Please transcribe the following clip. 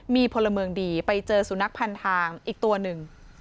มีพลเมืองดีไปเจอสุนัขพันทางอีกตัวหนึ่ง